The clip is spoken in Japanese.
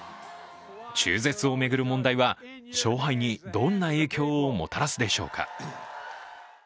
中絶を巡る問題は勝敗にどんな影響をもたらすでしょうか。